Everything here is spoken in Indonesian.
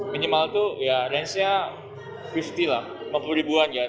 minimal tuh ya range nya lima puluh lah lima puluh ribuan ya